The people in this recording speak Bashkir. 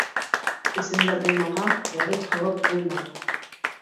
Эсендә булмаһа, ярып һалып булмай.